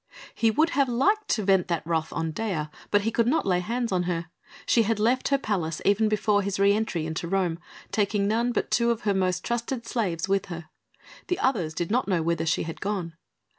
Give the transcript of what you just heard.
He would have liked to vent that wrath on Dea, but he could not lay hands on her. She had left her palace even before his re entry into Rome, taking none but two of her most trusted slaves with her; the others did not know whither she had gone.